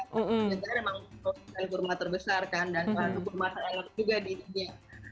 sebenarnya memang kurma terbesar kan dan masa enak juga di indonesia